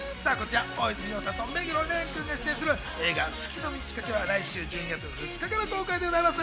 大泉洋さんと目黒蓮君が出演する映画『月の満ち欠け』は来週１２月２日から公開です。